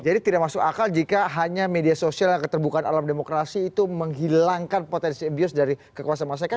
jadi tidak masuk akal jika hanya media sosial yang keterbukaan alam demokrasi itu menghilangkan potensi abuse dari kekuasaan masyarakat